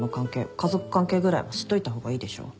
家族関係ぐらいは知っといた方がいいでしょ。